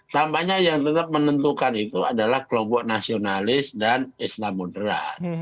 tambahnya yang tetap menentukan itu adalah kelompok nasionalis dan islamudera